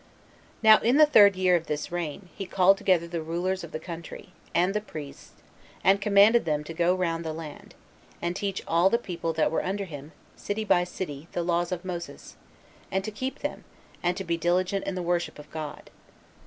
2. Now, in the third year of this reign, he called together the rulers of the country, and the priests, and commanded them to go round the land, and teach all the people that were under him, city by city, the laws of Moses, and to keep them, and to be diligent in the worship of God.